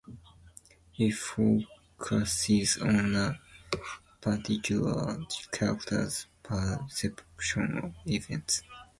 It focuses on a particular character's perception of events.